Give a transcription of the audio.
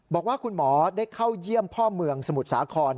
บอกว่าคุณหมอได้เข้าเยี่ยมพ่อเมืองสมุทรสาคร